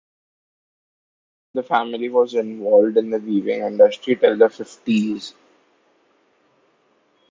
The family was involved in the weaving industry till the fifties.